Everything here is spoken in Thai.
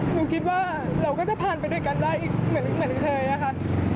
หนูคิดว่าเราก็จะผ่านไปด้วยกันได้อีกเหมือนเคยอะค่ะ